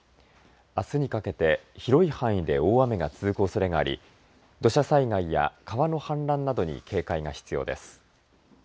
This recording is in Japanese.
あすにかけて広い範囲で大雨が続くおそれがあり土砂災害や川の氾濫などに警戒が必要です。